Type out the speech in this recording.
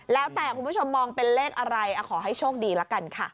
แล้วแต่คุณผู้ชมมองเป็นเลขอะไรขอให้โชคดีละกันค่ะ